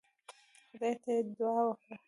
خدای ته يې دعا وکړه.